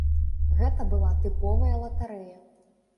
Гэта была тыповая латарэя!